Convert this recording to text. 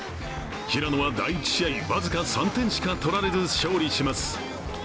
平野は第１試合、僅か３点しか取られず勝利します。